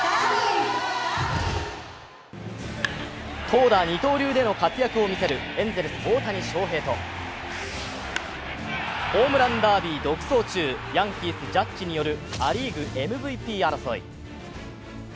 投打二刀流での活躍を見せるエンゼルス・大谷翔平とホームランダービー独走中、ヤンキース・ジャッジによるア・リーグ、ＭＶＰ争い。